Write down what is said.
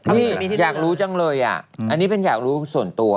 นี่อยากรู้จังเลยอ่ะอันนี้เป็นอยากรู้ส่วนตัว